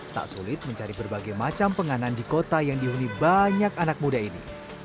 tak sulit mencari berbagai macam penganan di kota yang dihuni banyak anak muda ini